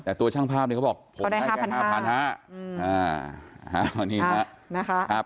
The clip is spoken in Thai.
แต่ตัวช่างภาพเนี่ยเขาบอกผมให้แค่๕๕๐๐ภาพ